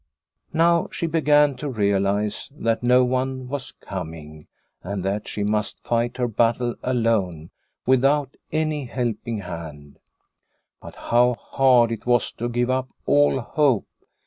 Now she began to realise that no one was coming, and that she must fight her battle alone without any A Spring Evening 207 helping hand. But how hard it was to give up all hope